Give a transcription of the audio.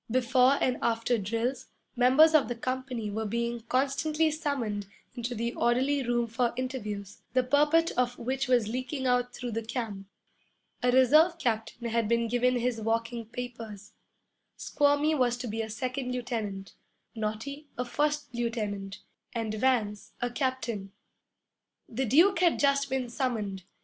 Before and after drills, members of the company were being constantly summoned into the orderly room for interviews, the purport of which was leaking out through the camp. A reserve captain had been given his walking papers. Squirmy was to be a second lieutenant; Naughty, a first lieutenant; and Vance, a captain. The Duke had just been summoned.